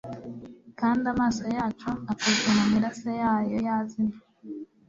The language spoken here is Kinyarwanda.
Kandi amaso yacu akozwe mumirase yayo yazimye